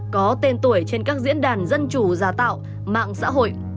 có tên tuổi trên các diễn đàn dân chủ gia tạo mạng xã hội